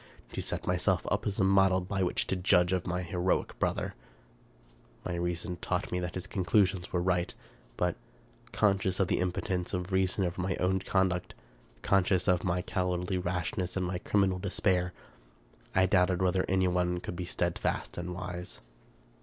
To set myself up as a model by which to judge of my heroic brother ! My reason taught me that his conclusions were right ; but, conscious of the impotence of reason over my own conduct, conscious of my cowardly rashness and my criminal despair, I doubted whether anyone could be steadfast and wise.